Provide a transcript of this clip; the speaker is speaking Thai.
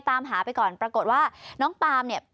ตามหาไปก่อนปรากฏว่าน้องปาล์มเนี่ย